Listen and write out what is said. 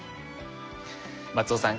松尾さん